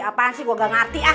apaan sih gua gak ngerti